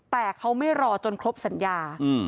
แต่เขาไม่รอจนครบสัญญา